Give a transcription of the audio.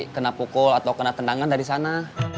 kena pukul atau kena tendangan dari sana